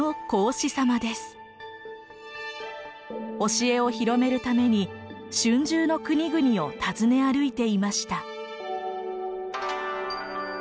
教えを広めるために春秋の国々を訪ね歩いていました。